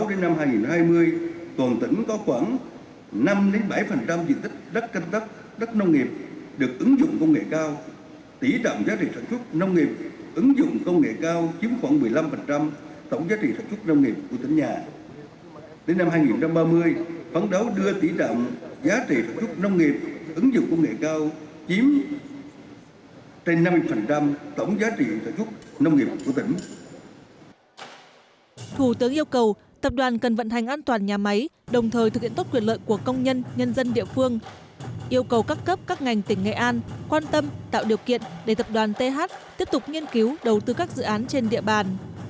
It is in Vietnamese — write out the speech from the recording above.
yêu cầu các cấp các ngành tỉnh nghệ an quan tâm tạo điều kiện để tập đoàn th tiếp tục nghiên cứu đầu tư các dự án trên địa bàn